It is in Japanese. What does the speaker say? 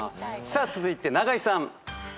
さあ続いて永井さん。